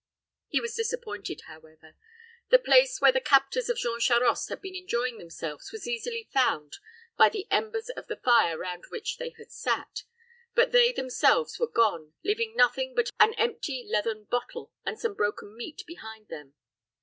He was disappointed, however. The place where the captors of Jean Charost had been enjoying themselves was easily found by the embers of the fire round which they had sat; but they themselves were gone, leaving nothing but an empty leathern bottle and some broken meat behind them.